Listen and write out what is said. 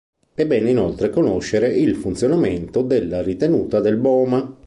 È bene inoltre conoscere il funzionamento della ritenuta del boma.